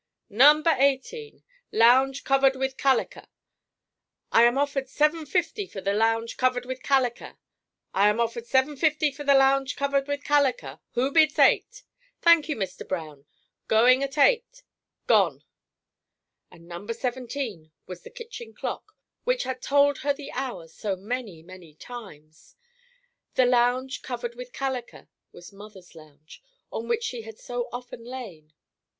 No. 18, lounge covered with calliker. I am offered seven fifty for the lounge covered with calliker. I am offered seven fifty for the lounge covered with calliker. Who bids eight? Thank you, Mr. Brown going at eight gone." And No. 17 was the kitchen clock, which had told her the hour so many, many times; the lounge covered with "calliker" was mother's lounge, on which she had so often lain.